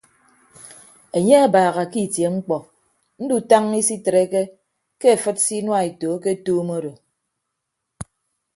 Enye abaaha ke itie mkpọ ndutañña isitreke ke afịd se inuaeto aketuum odo.